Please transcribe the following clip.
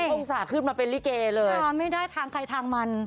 องศาขึ้นมาเป็นลิเกเลยนอนไม่ได้ทางใครทางมัน